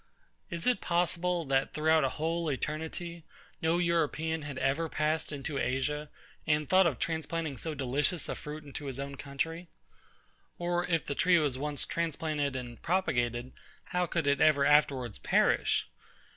Is it possible, that throughout a whole eternity, no EUROPEAN had ever passed into ASIA, and thought of transplanting so delicious a fruit into his own country? Or if the tree was once transplanted and propagated, how could it ever afterwards perish?